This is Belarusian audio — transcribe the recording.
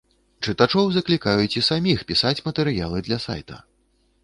Чытачоў заклікаюць і саміх пісаць матэрыялы для сайта.